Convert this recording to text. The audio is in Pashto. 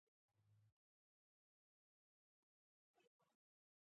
کرار نه کیني.